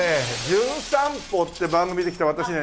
『じゅん散歩』って番組で来た私ね